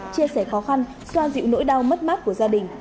chia sẻ khó khăn xoa dịu nỗi đau mất mát của gia đình